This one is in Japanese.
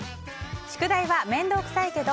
宿題は面倒くさいけど